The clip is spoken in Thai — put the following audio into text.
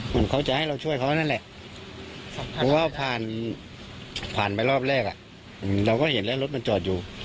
เหมือนเขาจะให้เราช่วยเขานั่นแหละเพราะว่าผ่านผ่านไปรอบแรกเราก็เห็นแล้วรถมันจอดอยู่